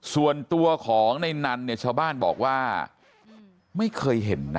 ส่วนตัวของในนันเนี่ยชาวบ้านบอกว่าไม่เคยเห็นนะ